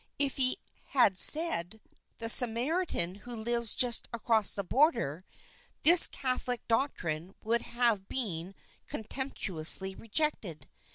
If he had said, The Samaritan who lives just across the border, this catholic doctrine would have been con temptuously rejected.